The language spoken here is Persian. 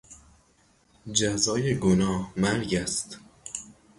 جزای گناه، مرگ است.